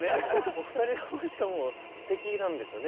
お二人ともしかもすてきなんですよね。